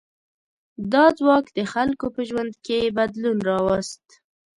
دا ځواک د خلکو په ژوند کې بدلون راوست.